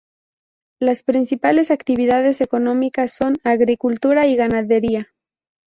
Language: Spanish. Las principales actividades económicas son: agricultura y ganadería.